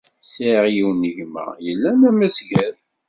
Sɛiɣ yiwen n gma yellan d amasgad.